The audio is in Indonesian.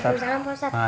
waalaikumsalam pak ustadz